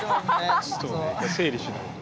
１回整理しないと。